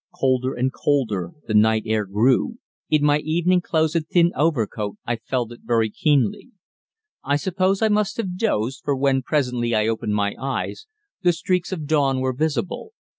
Colder and colder the night air grew in my evening clothes and thin overcoat I felt it very keenly. I suppose I must have dozed, for when, presently, I opened my eyes, the streaks of dawn were visible.